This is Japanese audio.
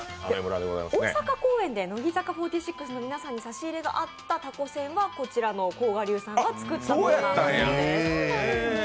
大阪公演で乃木坂４６の皆さんに差し入れがあったのがこちらの甲賀流さんが作ったものだったそうです。